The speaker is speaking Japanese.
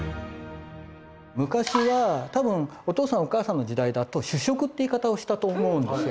昔は多分お父さんお母さんの時代だと主食っていう言い方をしたと思うんですよ。